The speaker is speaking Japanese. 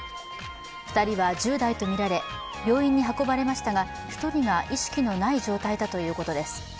２人は１０代とみられ、病院に運ばれましたが１人が意識のない状態だということです。